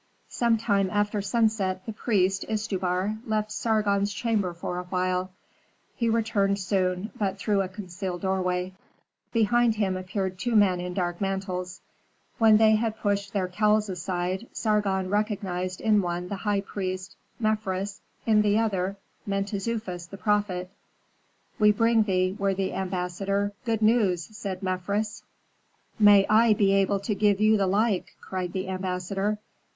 Some time after sunset the priest, Istubar, left Sargon's chamber for a while; he returned soon, but through a concealed doorway. Behind him appeared two men in dark mantles. When they had pushed their cowls aside, Sargon recognized in one the high priest Mefres, in the other Mentezufis the prophet. "We bring thee, worthy ambassador, good news," said Mefres. "May I be able to give you the like," cried the ambassador.